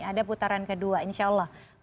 ada putaran kedua insya allah